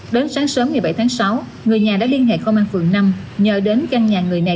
đến sáng sớm ngày bảy tháng sáu người nhà đã liên hệ công an phường năm nhờ đến căn nhà người này